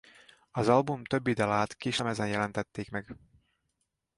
Az album többi dalát kislemezen jelentették meg.